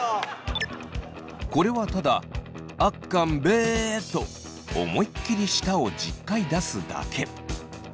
これはただあっかんべぇーと思いっきり舌を１０回出すだけ！